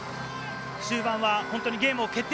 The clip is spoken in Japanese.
終盤は本当にゲームを決定